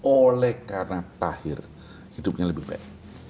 oleh karena tahir hidupnya lebih baik